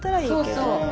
そうそう。